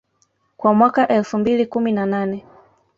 kwa mwaka elfu mbili kumi na nane